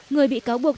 người bị cáo buộc